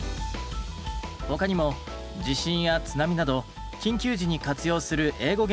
他にも地震や津波など緊急時に活用する英語原稿を用意。